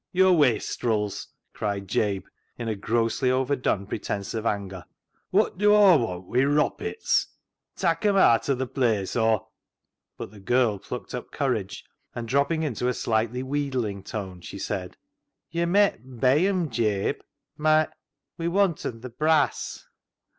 yo' wastrils," cried Jabe, in a grossly overdone pretence of anger ;" wot dew Aw want wi' roppits ? Tak' 'em aat o' th' place, or" — But the girl plucked up courage, and dropping into a slightly wheedling tone, she said — 222 CLOG SHOP CHRONICLES " Yo' met bey 'em, Jabe, my — We wanten th' brass."